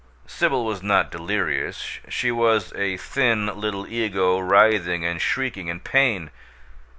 Sibyl was not delirious she was a thin little ego writhing and shrieking in pain.